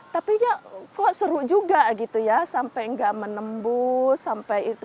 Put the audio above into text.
tapi ya kok seru juga gitu ya sampai nggak menembus sampai itu